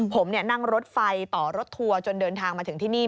ผมนั่งรถไฟต่อรถทัวร์จนเดินทางมาถึงที่นี่